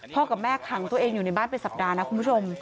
กับแม่ขังตัวเองอยู่ในบ้านเป็นสัปดาห์นะคุณผู้ชม